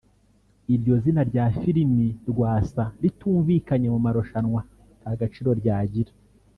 Iryo zina rya filimi (Rwasa) ritumvikanye mu marushanwa nta gaciro ryagira